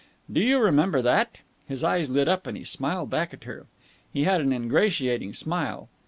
"Do you remember that?" His eyes lit up and he smiled back at her. He had an ingratiating smile.